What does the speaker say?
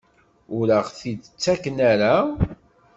Ur aɣ-t-id-ttaken ara?